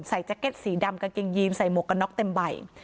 แจ็คเก็ตสีดำกางเกงยีนใส่หมวกกันน็อกเต็มใบ